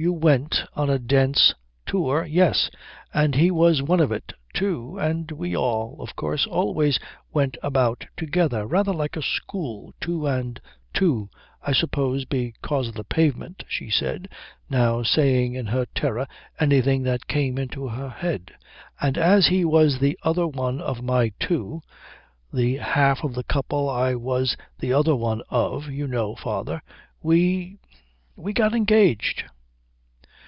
"You went on a Dent's Tour?" "Yes, and he was one of it, too, and we all, of course, always went about together, rather like a school, two and two I suppose because of the pavement," she said, now saying in her terror anything that came into her head, "and as he was the other one of my two the half of the couple I was the other one of, you know, father we we got engaged."